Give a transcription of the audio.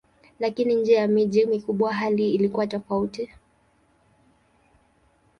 Lakini nje ya miji mikubwa hali ilikuwa tofauti.